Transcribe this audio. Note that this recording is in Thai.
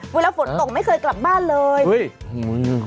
เวลาฝนตกไม่เคยกลับบ้านเลยเฮ้ย